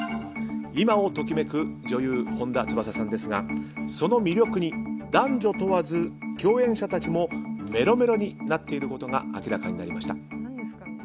今を時めく女優・本田翼さんですがその魅力に男女問わず共演者たちもメロメロになっていることが明らかになりました。